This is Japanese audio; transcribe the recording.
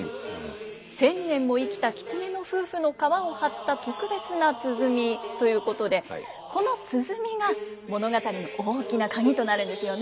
千年も生きた狐の夫婦の皮を張った特別な鼓ということでこの鼓が物語の大きな鍵となるんですよね。